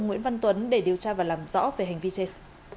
nguyễn văn tuấn để điều tra và làm rõ về hành vi trên